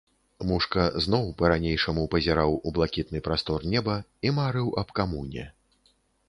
Мушка зноў па-ранейшаму пазіраў у блакітны прастор неба і марыў аб камуне.